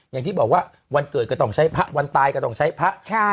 อย่างที่บอกว่าวันเกิดก็ต้องใช้พระวันตายก็ต้องใช้พระ